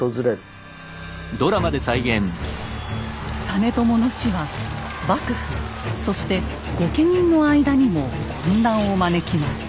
実朝の死は幕府そして御家人の間にも混乱を招きます。